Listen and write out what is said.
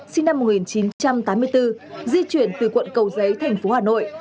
sinh năm một nghìn chín trăm tám mươi bốn di chuyển từ quận cầu giấy thành phố hà nội